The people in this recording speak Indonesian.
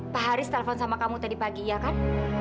pak haris telepon sama kamu tadi pagi ya kan